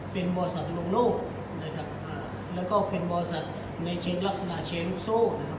เป็นบอสัตว์ลุงลูกนะครับแล้วก็เป็นบอสัตว์ในลักษณะเชลลุกโซ่นะครับ